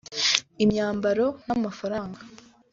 imyambaro n’amafaranga